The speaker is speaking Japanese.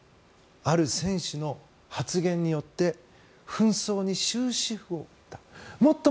ある選手の発言によって紛争に終止符を打った。